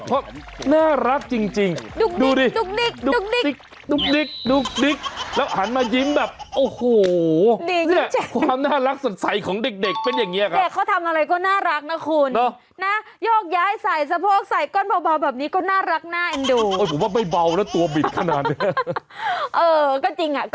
เพราะน่ารักจริง